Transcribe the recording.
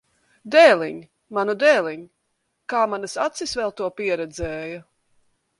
Dēliņ! Manu dēliņ! Kā manas acis vēl to pieredzēja!